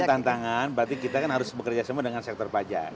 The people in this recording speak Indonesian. bukan tantangan berarti kita kan harus bekerja sama dengan sektor pajak